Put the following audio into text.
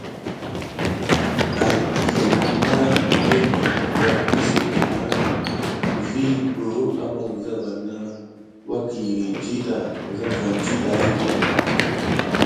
An kiyiga mokoni kisile suyé kam kurum sukié gudasoko vas na suke wusane didaha.